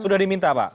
sudah diminta pak